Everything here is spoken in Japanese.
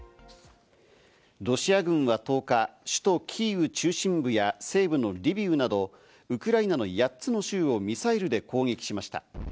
ロシア軍は１０日、首都キーウ中心部や西部のリビウなどウクライナの８つの州をミサイルで攻撃しました。